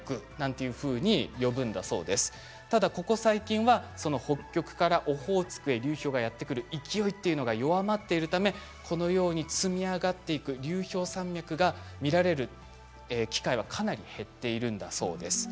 ところがここ最近北極からオホーツクへ流氷がやってくる勢いが弱まっているためこのように積み上がっていく流氷山脈が見られる機会はかなり減っているんだそうです。